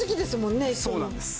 そうなんです。